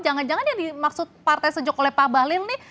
jangan jangan ini maksud partai sejuk oleh pak balin nih